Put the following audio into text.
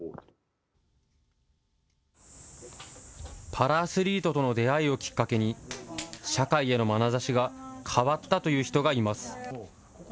パラアスリートとの出会いをきっかけに、社会へのまなざしが変わったという人がいます。